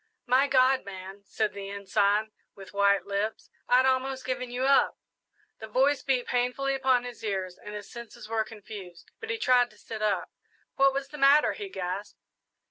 "My God, man," said the Ensign, with white lips, "I'd almost given you up!" The voice beat painfully upon his ears and his senses were confused, but he tried to sit up. "What was the matter?" he gasped.